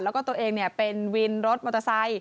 แล้วก็ตัวเองเป็นวินรถมอเตอร์ไซค